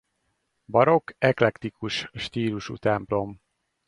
Barokk-eklektikus stílusú templom.